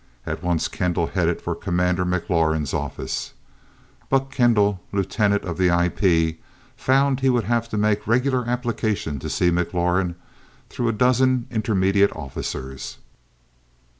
At once, Kendall headed for Commander McLaurin's office. Buck Kendall, lieutenant of the IP, found he would have to make regular application to see McLaurin through a dozen intermediate officers.